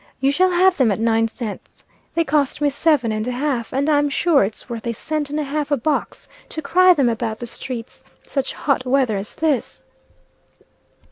You shall have them at nine cents. They cost me seven and a half, and I'm sure it's worth a cent and a half a box to cry them about the streets such hot weather as this."